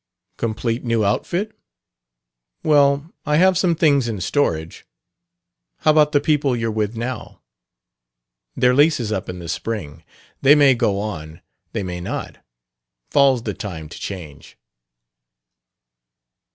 "Complete new outfit?" "Well, I have some things in storage." "How about the people you're with now?" "Their lease is up in the spring. They may go on; they may not. Fall's the time to change."